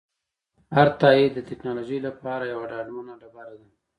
هر تایید د ټکنالوژۍ لپاره یوه ډاډمنه ډبره ده.